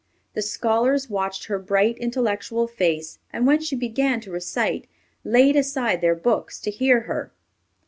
The scholars watched her bright, intellectual face, and when she began to recite, laid aside their books to hear her.